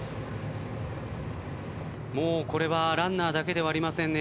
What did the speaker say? これはランナーだけではありませんね